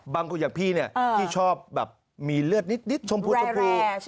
บางคนอย่างพี่เนี่ยที่ชอบแบบมีเลือดนิดชมพูชมพู